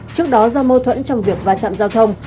trước đó do mâu thuẫn trong việc và trạm giao thông